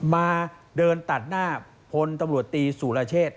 มาเดินตัดหน้าพลตำรวจตีสุรเชษ